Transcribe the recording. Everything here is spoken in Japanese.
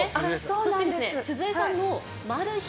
そして、鈴江さんのマル秘